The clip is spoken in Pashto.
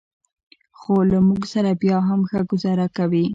خو له موږ سره بیا هم ښه ګوزاره کوي.